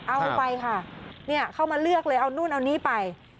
เอาไปค่ะเข้ามาเลือกเลยเอานู่นเอานี่ไป